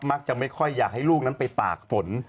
จะไม่ค่อยอยากให้ลูกนั้นไปตากฝน